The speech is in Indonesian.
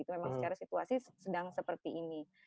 memang secara situasi sedang seperti ini